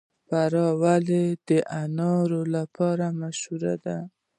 فراه ولې د انارو لپاره مشهوره ده؟